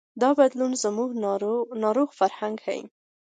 دا بدلون زموږ ناروغ فرهنګ ښيي.